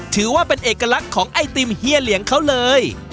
ถือว่าเป็นเอกลักษณ์ของไอติมเฮียเหลียงเขาเลย